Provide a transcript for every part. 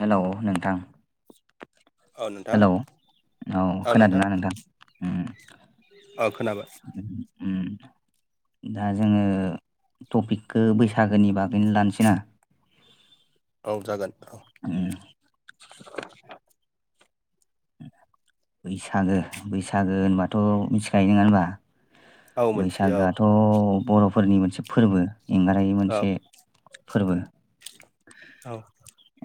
Hello नोंथां? [inaudible] Hello औ खोनादों ना नोंथां? औ खोनाबाय। उम दा जोङो टपिकखौ बैसागोनि बागैनो लानोसै ना? औ जागोन। औ उम बैसागो बैसागो होनबाथ' मिथिखायो नंङा होनबा। औ मोनथियो बैसागोआथ' बर'फोरनि मोनसे फोरबो। एंगारहायै औ मोनसे फोरबो औ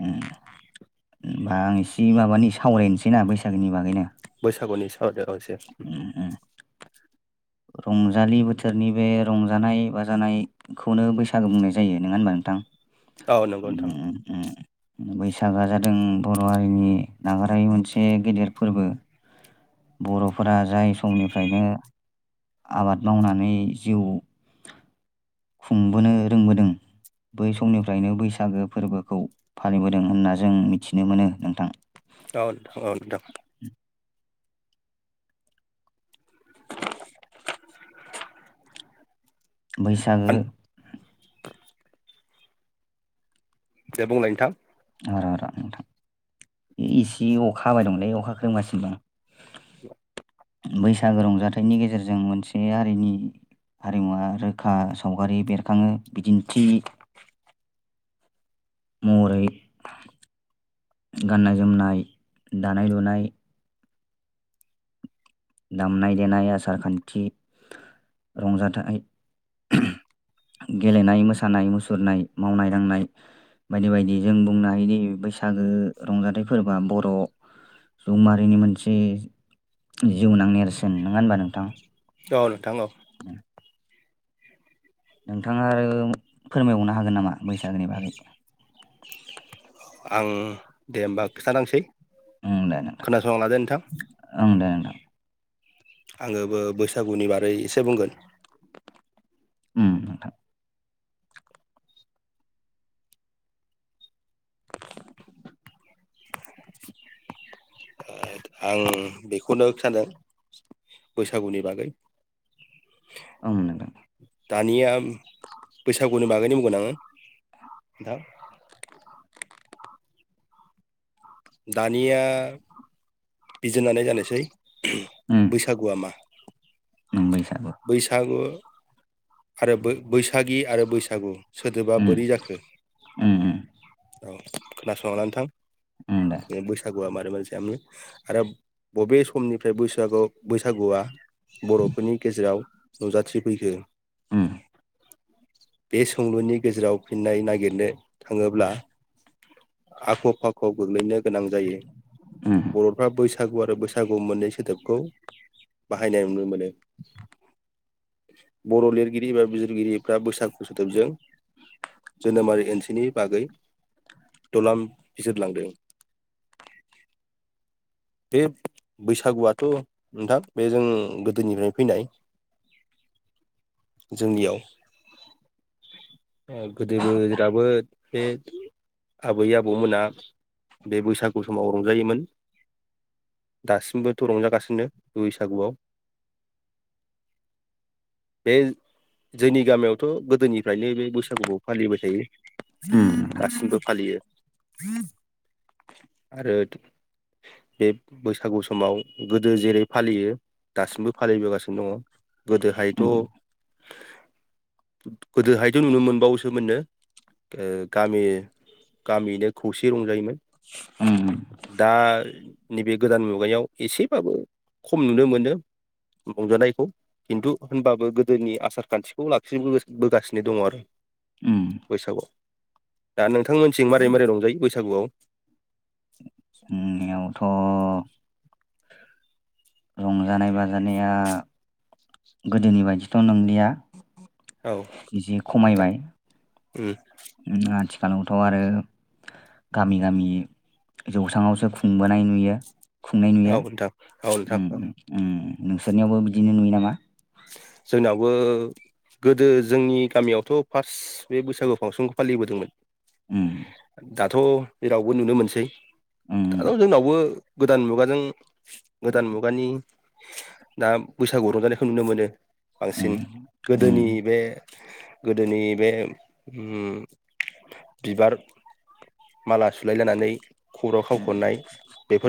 उम। होमबा आं एसे माबानि सावरायनोसैना बैसागोनि बागै ना बैसागुनि सावरायदो औ एसे उम रंजालि बोथोरनि बे रंजानाय बाजानायखौनो बैसागो बुंनाय जायो नंङा होनबा नोंथां? औ नंगौ नोंथां उम उम बैसागा जादों बर' हारिनि नागारायै मोनसे गेदेर फोरबो बर'फोरा जाय समनिफ्रायनो आबाद मावनानै जिउ खुंबोनो रोंबोदों बै समनिफ्रायनो बैसागो फोरबोखौ फालिबोदों होनना जों मिथिनो मोनो नोंथां। औ नोंथां औ नोंथां [inaudible] बैसागो दे बुंलाय नोंथां? र र' नोंथां इसे अखा हाबाय दंमोनलै अखा खोरोमगासिनो दं। बैसागो रंजाथाइनि गेजेरजों मोनसे हारिनि हारिमुवा रोखा सावगारि बेरखाङो बिदिन्थि मरै गाननाय जोमनाय दानाय लुनाय दामनाय देनाय आसार खान्थि रंजाथाइ गेलेनाय मोसानाय मुसुरनाय मावनाय दांनाय बायदि बायदि जों बुंनो हायोदि बैसागो रंजाथाइ फोरबोआ बर' सुबुंमाहारिनि मोनसे जिउनां नेरसोन नंङा होनबा नोंथां? अ' नोंथां अ उम नोंथाङा आरो फोरमायहरनो हागोन नामा बैसागोनि बागै? आं दे होमबा खिथानांसै ओं दे नोंथां खोनासंना लादो नोंथां। ओं दे नोंथां। आङोबो बैसागुनि बारै एसे बुंगोन। उम नोंथां। आं बेखौनो सानदों बैसागुनि बागै। उम नोंथां। दानिया बैसागुनि बागैनि बुंगोन आङो। दा दानिया बिजिरनानै नायनोसै उम बैसागुआ मा? उम बैसागु बैसागु आरो बै बैसागि आरो बैसागु सोदोबा उम बोरै जाखो उम उम औ खोनासंनाला नोंथां उम दे बैसागुआ मारै मारै जायामोन आरो बबे समनिफ्राय बैसागु बैसागुआ बर'फोरनि गेजेराव नुजाथिफैखो उम बे सोंलुनि गेजेराव फिननाय नागिरनो थाङोब्ला आख' फाख' गोग्लैनो गोनां जायो उम बर' बैसागु आरो बैसागु मोननै सोदोबखौ बाहायनाय नुनो मोनो बर' लिरगिरि एबा बिजिरगिरिफ्रा बैसागु सोदोबजों जोनोमारि एनसेनि बागै दलाम बिजिरलांदों [inaudible] बे बैसागुआथ' नोंथां बे जों गोदोनिफ्रायनो फैनाय [inaudible] जोंनियाव गोदोबो दाबो बे आबै आबौमोना बे बैसागु समाव रंजायोमोन दासिमबोथ' रंजागासिनो बैसागुआव बे जोंनि गामियावथ' गोदोनि ओमफ्रायनो बे बैसागुखौ फालिबाय थायो उम नोंथां दासिमबो फालियो [unintelligible] आरो बे बैसागु समाव गोदो जेरै फालियो दासिमबो फालिबोगासिनो दङ गोदोहायथ' उम [inaudible] गोदोहायथ' नुनो मोनबावोसोमोननो ओ गामि गामियैनो खौसे रंजायोमोन ओम ओम दा नैबे गोदान मुगायाव एसेबाबो खम नुनो मोनो रंजानायखौ खिन्थु होनबाबो गोदोनि आसार खान्थिखौ लाखिनोबोगासिनो दङ आरो उम बैसागुआव दा नोंथांमोननिथिं मारै मारै रंजायो बैसागुआव जोंनियावथ' रंजानाय बाजानाया गोदोनि बायदिथ' नोंलिया औ बिदिनो नोंथां खमायबाय उम [unintelligible] खालावथ' आरो गामि गामि जौसांआवसो खुंबोनाय नुयो खुंनाय नुयो औ नोंथां औ नोंथां ओम औ ओम नोंसोरनियावबो बिदिनो नुयो नामा? जोंनावबो गोदो जोंनि गामियावथ' फार्स्ट बे बैसागु फांसनखौ फालिबोदोंमोन ओम दाथ' जेरावबो नुनो मोनसै उम, दाथ' जोंनावबो गोदान मुगाजों गोदान मुगानि दा बैसागु रंजानाय नुनो मोनो बांसिन उम, गोदोनि उम, बे गोदोनि बे ओम बिबार माला सुलायलायनानै खर'आव उम, खावख'नाय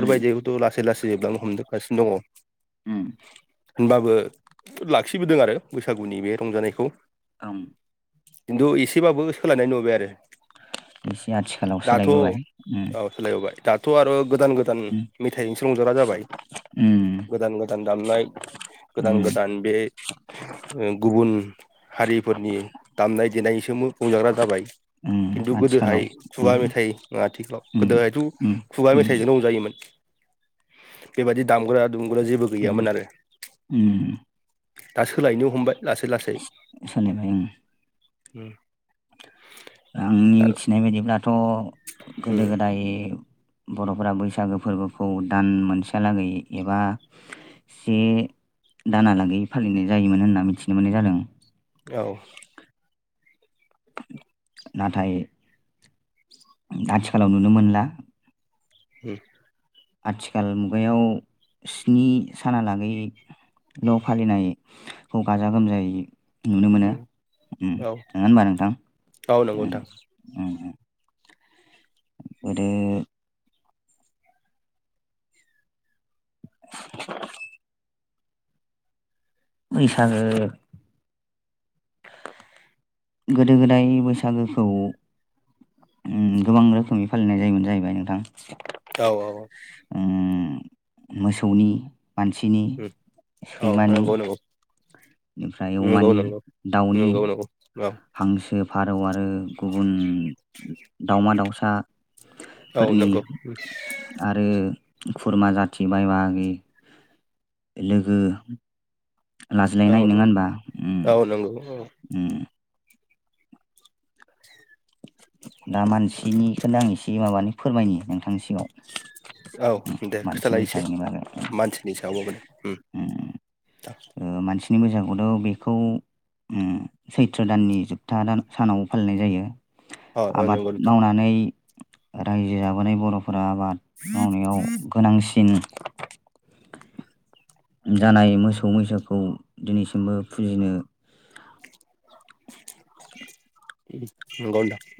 उम, लासै लासै जोबलांनो हमजोबगासिनो दङ उम होनबाबो लाखिबोदों आरो बैसागुनि बे रंजानायखौ ओम खिन्थु एसेबाबो सोलायनाय नुबाय आरो एसे आथिखालाव दाथ' सोलायबोबाय उम, ओ फैलाबावबाय गोदान गोदान उम, मेथाइजोंसो रंजाग्रा जाबाय उम, गोदान गोदान दामनाय गोदान गोदान उम, ओ गुबुन हारिफोरनि दामनाय देनायसोमबो रंजाग्रा जाबाय ओम खिन्थु गोदोहाय खुगा मेथाइ आथिखालाव उम, गोदोहायथ' उम, खुगा उम, मेथाइजों रंजायोमोन बेबायदि दामग्रा दुमग्रा जेबो उम, गैयामोन आरो। उम। दा सोलायनो हमबाय लासै लासै सोलायबाय उम। आंनि दा मिथिनाय बायदिब्लाथ' गोदो उम गोदाय बर'फोरा बैसागो फोरबोखौ दान मोनसेहालागै एबा से दानालागै फालिनाय जायोमोन होनना मिथिनो मोननाय जादों। औ नाथाय [inaudible] आथिखालाव नुनो मोनला। उम आथिखाल मुगायाव स्नि सानालागै ल' फालिनाय खौ गाजा गोमजायै नुनो मोनो उम ओम औ नङा होनबा नोंथां औ नंगौ ओम नोंथां ओम ओम- [inaudible] [inaudible] बैसागो गोदो गोदाय बैसागोखौ ओम गोबां रोखोमनि फालिनाय जायोमोन जाहैबाय नोंथां औ औ। उम, मोसौनि मानसिनि उम औ सैमानि नंगौ नंगौ बेनिफ्राय नंगौ अमानि नंगौ दाउनि नंगौ नंगौ हांसो फारौ आरो गुबुन दावमा दाउसा औ औ फोरनि नंगौ आरो खुरमा जाथि बाय बागि लोगो लाजिनाय औ नोङा नंगौ होनोमबा अम औ नंगौ औ उम। दा मानसिनिखौनो आं एसे माबानि फोरमायनि नोंथांनि सिगाङा। औ दे खिथालाय एसे मानसिनि सायावबाब माबादि उम, दे ओ मानसिनि मोजांखौनो बेखौ उम सैथ्र दाननि जोबथा सानाव फालिनाय जायो। अ औ आबाद नंगौ नोंथां मावनानै रायजो जाबोनाय बर' फोरा आबाद मावनायाव गोनांसिन जानाय मोसौ मैसोखौ दिनैसिमबो फुजिनो [inaudible]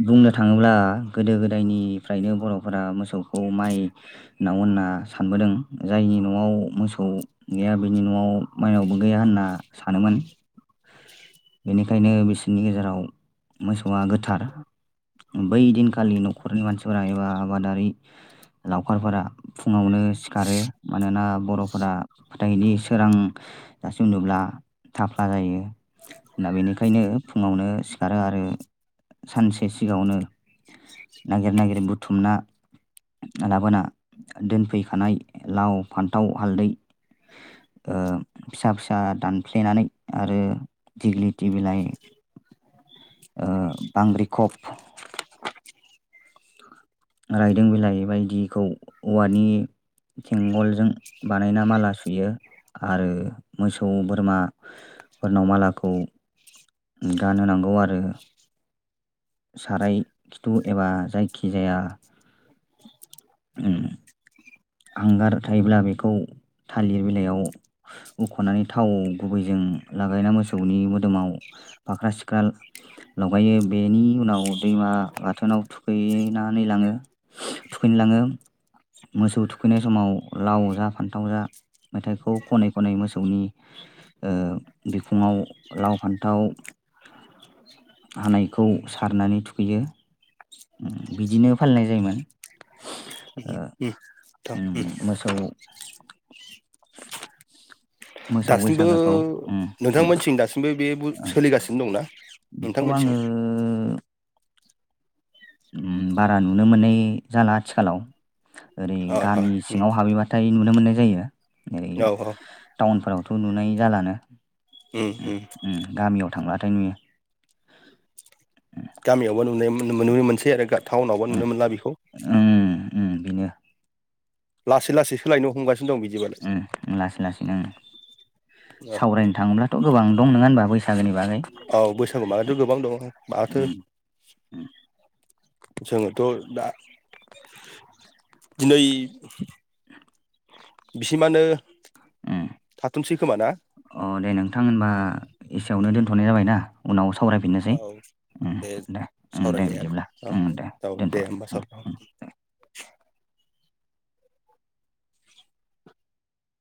बुंनो थाङोब्ला गोदो गोदायनिफ्रायनो बर'फोरा मोसौखौ माइनाव होनना सानबोदों। जायनि न'आव मोसौ गैया बेनि न'आव माइनावबो गैया होनना सानोमोन। बेनिखायनो बिसोरनि गेजेराव मोसौआ गोथार। बै दिनखालि न'खरनि मानसिफोरा एबा आबादारि लावखारफोरा फुङावनो सिखारो मानोना बर'फोरा फोथायनि सोरां दासिम उन्दुब्ला थाफ्ला जायो दा बेनिखायनो फुङावनो सिखारो आरो सानसे सिगाङावनो नागिर नागिर बुथुमना लाबोना दोनफैखानाय लाव फान्थाव हालदै ओ फिसा फिसा दानफ्लेनानै आरो दिेग्लिथि बिलाइ ओ‌ बांग्रिखफ रायदों बिलाइ बायदिखौ औवानि थिंगलजों बानायना माला सुयो आरो मोसौ बोरमा फोरनाव मालाखौ गानहोनांगौ आरो साराय खिथु एबा जायखि जाया उम हांगार थायोब्ला बेखौ थालिर बिलाइयाव हुख'नानै थाव गुबैजों उम लागायना मोसौनि मोदोमाव फाख्रा-सिख्रा लगायो बेनि उनाव दैमा गाथोनाव थुखैनानै लाङो थुखैनो लाङो मोसौ थुखैनाय समाव लाव जा फान्थाव जा मेथाइखौ खनै खनै मोसौनि ओ बिखुङाव लाव फान्थाव हानायखौ सारनानै थुखैयो उम बिदिनो फालिनाय जायोमोन ओ उम नोंथां उम मोसौ मोसौ दासिमबो बैसागोखौ उम-उम नोंथांमोनथिं दासिमबो बे बु ओ सोलिगासिनो दंना बेखौ आङो नोंथांमोनथिं उम बारा नुनो मोननाय जाला आथिखालाव ओरै औ गामि सिङाव हाबहैबाथाय नुनो मोननाय जायो ओरै औ औ टाउनफोराव थ' नुनाय जालानो उम उम उम-उम गामियाव थांब्लाथाय नुयो। गामियावबो [unintelligible] मोनसै आरो टाउनावबो उम नुनो मोनला बेखौ उम उम बेनो लासै लासै सोलायनो हमगासि उम लासै लासैनो उम सावरायनो थाङोब्लाथ' गोबां दं नङा होनबा बैसागोनि बागै आथो उम उम। जोङोथ' दा दिनै बिसिमानो उम थाथुमसै खोमा ना अ दे नोंथां होनबा एसेयावनो दोनथ'नाय जाबाय ना उनाव औ सावरायफिननोसै उम दे उम दे सावरायनाया बिदिब्ला औ उम दे औ दे दोनथ'बायबाय होमबा सार उम-उम-उम। [unintelligible]